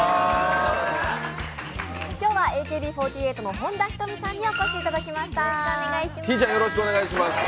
今日は、ＡＫＢ４８の本田仁美さんにお越しいただきました。